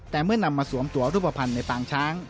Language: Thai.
แต่เมื่อนำมาสวมตัวรูปภัณฑ์ในปางช้าง